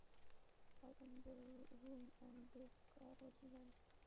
قلم د روڼ اندو کار وسیله ده